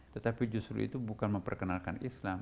tetapi justru itu bukan memperkenalkan islam